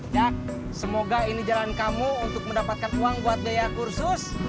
ya semoga ini jalan kamu untuk mendapatkan uang buat daya kursus